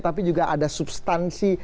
tapi juga ada substansi